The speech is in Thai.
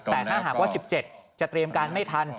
แต่ถ้าหากว่า๑๗จะเตรียมการไม่ทัน